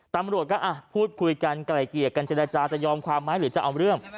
ตำรวจก็พูดคุยกันไกลเกลี่ยกันเจรจาจะยอมความไหมหรือจะเอาเรื่อง